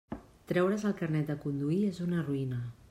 Treure's el carnet de conduir és una ruïna.